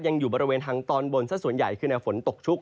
อยู่บริเวณทางตอนบนซะส่วนใหญ่คือแนวฝนตกชุก